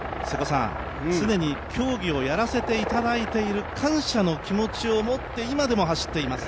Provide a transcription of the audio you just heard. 常に競技をやらせていただいている感謝の気持ちを持って今でも走っています、